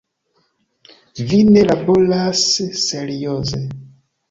Vi ne laboras serioze.